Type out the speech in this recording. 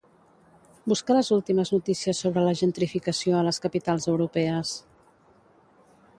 Busca les últimes notícies sobre la gentrificació a les capitals europees.